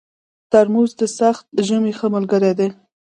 ترموز د سخت ژمي ښه ملګری دی.